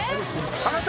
あなた？